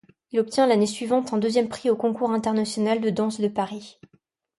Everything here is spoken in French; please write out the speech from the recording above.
Il obtient l'année suivante un deuxième prix au Concours international de danse de Paris.